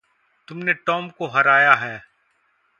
तुमने टॉम को हराया है।